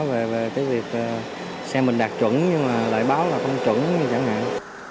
về cái việc xe mình đạt chuẩn nhưng mà đại báo là không chuẩn chẳng hạn